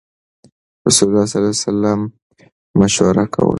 رسول الله صلی الله عليه وسلم مشوره کوله.